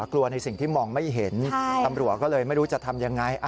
กลัวในสิ่งที่มองไม่เห็นตำรวจก็เลยไม่รู้จะทำยังไง